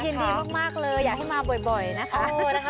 ยินดีมากเลยอยากให้มาบ่อยนะคะ